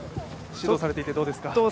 指導されていて、どうですか？